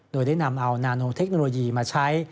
โดยได้นำเอานาโนเทคโนโลยีมาใช้